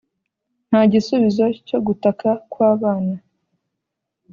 nta gisubizo cyo gutaka kwabana